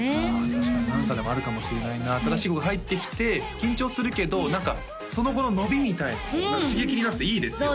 確かになそれもあるかもしれないな新しい子が入ってきて緊張するけど何かその後の伸びみたいな刺激になっていいですよね